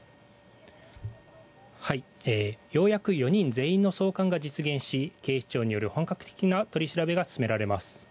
ようやく４人全員の送還が実現し警視庁による本格的な取り調べが進められます。